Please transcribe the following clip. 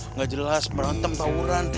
nggak jelas berantem tawuran